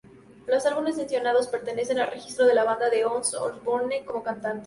Los álbumes mencionados pertenecen al registro de la banda con Ozzy Osbourne como cantante.